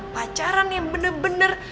pacaran yang bener bener